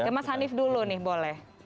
ke mas hanif dulu nih boleh